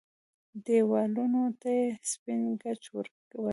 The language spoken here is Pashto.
دېوالونو ته يې سپين ګچ ورکړ.